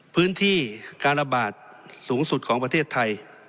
พื้นที่การระบาดสูงสุดของประเทศไทย